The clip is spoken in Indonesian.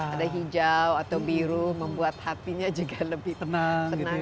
ada hijau atau biru membuat hatinya juga lebih tenang